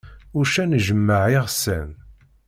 Uccen ijemmeɛ iɣessan.